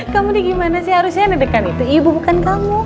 kamu nih gimana sih harusnya deg degan itu ibu bukan kamu